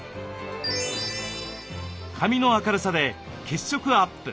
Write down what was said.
髪の明るさで血色アップ